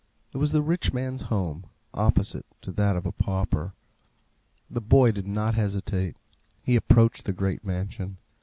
It was the rich man's home, opposite to that of the pauper. The boy did not hesitate. He approached the great mansion.